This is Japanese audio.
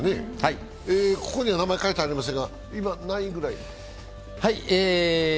ここには名前を書いてありませんが、今何位ぐらい？